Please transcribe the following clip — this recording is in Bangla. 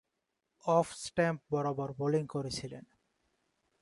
অফ-স্ট্যাম্প বরাবর বোলিং করেছিলেন।